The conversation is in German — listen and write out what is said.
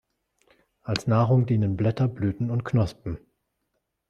Als Nahrung dienen Blätter, Blüten und Knospen.